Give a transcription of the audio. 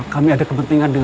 kami ada kepentingan